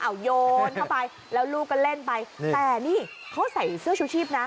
เอาโยนเข้าไปแล้วลูกก็เล่นไปแต่นี่เขาใส่เสื้อชูชีพนะ